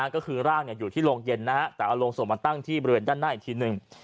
ก็คือร่างอยู่ที่โรงเย็นนะฮะแต่เอาโรงศพมาตั้งที่บริเวณด้านหน้าอีกทีหนึ่ง